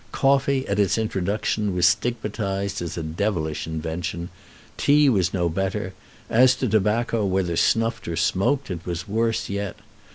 Coffee at its introduction was stigmatized as a devilish invention; tea was no better; as to tobacco, whether snuffed or smoked, it was worse yet.